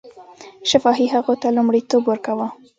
شفاهي هغو ته لومړیتوب ورکاوه.